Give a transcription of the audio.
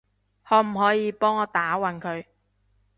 可唔可以幫我打暈佢？